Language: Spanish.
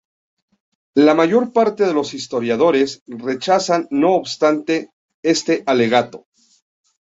La mayor parte de los historiadores rechazan no obstante este alegato.